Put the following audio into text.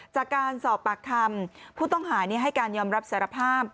จากการสอบปากคำผู้ต้องหาให้การยอมรับสารภาพ